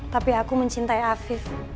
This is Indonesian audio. tapi aku mencintai afif